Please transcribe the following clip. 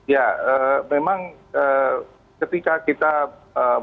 ya memang ketika kita berturang ya fasilitasnya